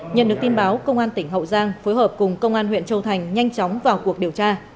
nhận được tin báo công an tỉnh hậu giang phối hợp cùng công an huyện châu thành nhanh chóng vào cuộc điều tra